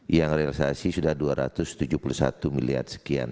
yang realisasi sudah dua ratus tujuh puluh satu miliar sekian